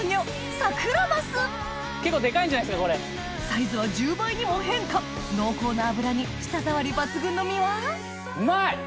サイズは１０倍にも変化濃厚な脂に舌触り抜群の身はうまい！